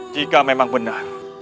jika memang benar